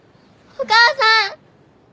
お母さん。